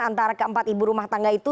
antara keempat ibu rumah tangga itu